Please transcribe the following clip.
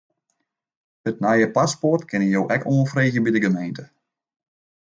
It nije paspoart kinne jo ek oanfreegje by de gemeente.